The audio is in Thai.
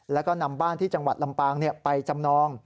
แล้วก็นำบ้านที่จังหวัดลำปางไปจำนอง